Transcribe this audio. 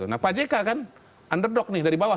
nah pak jk kan underdog nih dari bawah